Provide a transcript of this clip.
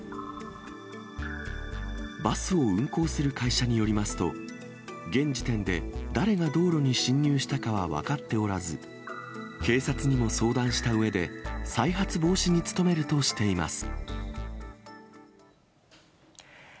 バスを運行する会社によりますと、現時点で誰が道路に進入したかは分かっておらず、警察にも相談したうえで、再発防止に努めるとしています。